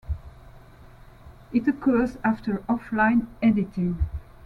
It occurs after offline editing.